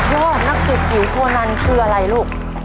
ยอดนักศึกอิ๋วโคนันคืออะไรลูก